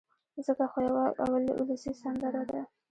ځکه خو يوه اولسي سندره ده